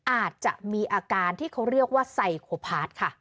อาจจะมีอาการที่เขาเรียกว่าไซโคพาร์ทค่ะ